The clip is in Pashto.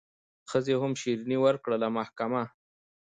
ښځي هم شیریني ورکړله محکمه